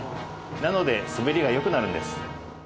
なので滑りが良くなるんです。